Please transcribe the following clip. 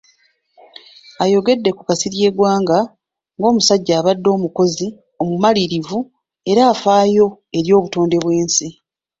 Ayogedde ku Kasirye Ggwanga ng'omusajja abadde omukozi, omumalirivu era afaayo eri obutonde bwensi.